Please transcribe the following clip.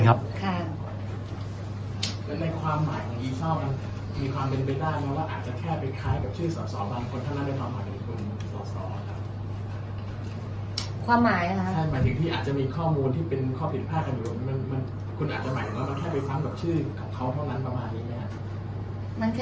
คุณอาจจะหมายถึงว่ามันแค่ไปซ้ำแบบชื่อกับเขาเท่านั้นประมาณนี้ไหมครับ